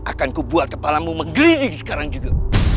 akan ku buat kepalamu menggelidik sekarang juga